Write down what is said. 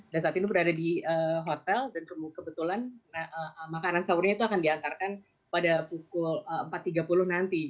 dan saat ini berada di hotel dan kebetulan makanan sahurnya akan diantarkan pada pukul empat tiga puluh nanti